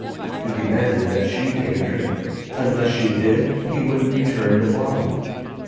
He demanded that she take a drink. Unless she did, he wouldn't return the bottle.